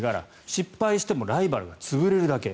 失敗してもライバルが潰れるだけ。